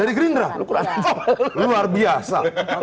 dari gerindra luar biasa